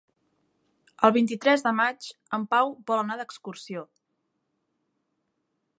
El vint-i-tres de maig en Pau vol anar d'excursió.